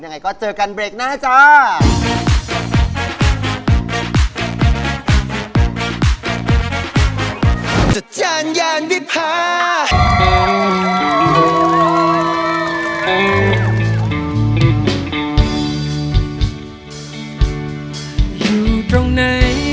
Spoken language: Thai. ยังไงก็เจอกันเบรกหน้าจ้า